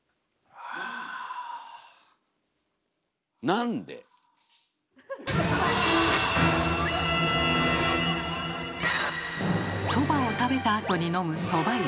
なんで⁉そばを食べたあとに飲むそば湯。